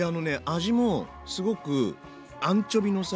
味もすごくアンチョビのさ